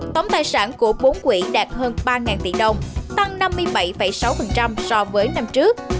tổng tài sản của bốn quỹ đạt hơn ba tỷ đồng tăng năm mươi bảy sáu so với năm trước